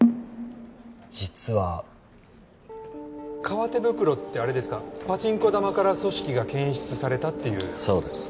実は革手袋ってあれですかパチンコ玉から組織が検出されたっていうそうです